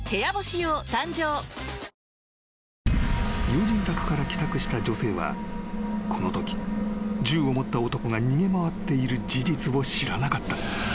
［友人宅から帰宅した女性はこのとき銃を持った男が逃げ回っている事実を知らなかった］